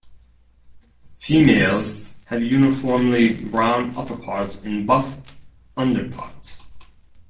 Females have uniformly brown upperparts and buff underparts.